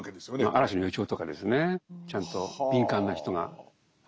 嵐の予兆とかですねちゃんと敏感な人が。は。